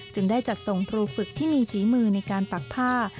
ได้จัดส่งครูฝึกที่มีฝีมือในการปักผ้า